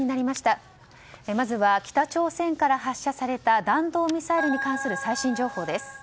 まずは北朝鮮から発射された弾道ミサイルに関する最新情報です。